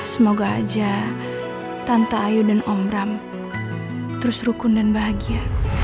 semoga aja tante ayu dan om bram terus rukun dan bahagia